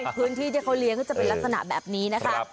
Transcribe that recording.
พื้นที่ที่เขาเลี้ยงก็จะเป็นลักษณะแบบนี้นะคะ